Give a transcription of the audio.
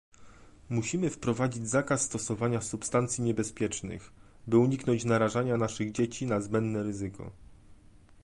Musimy wprowadzić zakaz stosowania substancji niebezpiecznych, by uniknąć narażania naszych dzieci na zbędne ryzyko